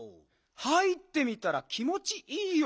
入ってみたら気もちいいよ。